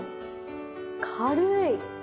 軽い。